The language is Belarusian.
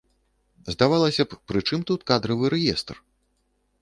Здавалася б, пры чым тут кадравы рэестр?